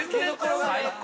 最高。